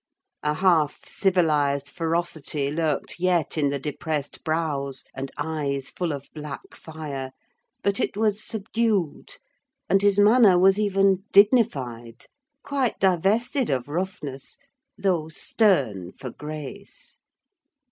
A half civilised ferocity lurked yet in the depressed brows and eyes full of black fire, but it was subdued; and his manner was even dignified: quite divested of roughness, though too stern for grace.